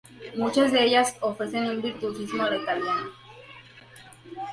Muchas de ellas ofrecen un virtuosismo a la italiana.